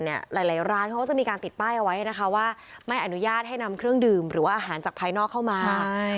หลายร้านเขาก็จะมีการติดป้ายเอาไว้นะคะว่าไม่อนุญาตให้นำเครื่องดื่มหรือว่าอาหารจากภายนอกเข้ามา